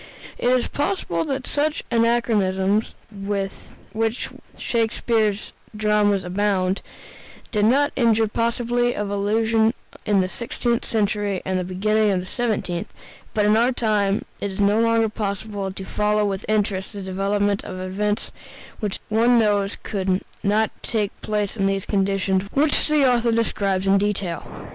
It is possible that such anachronisms (with which Shakespeare's dramas abound) did not injure the possibility of illusion in the sixteenth century and the beginning of the seventeenth, but in our time it is no longer possible to follow with interest the development of events which one knows could not take place in the conditions which the author describes in detail.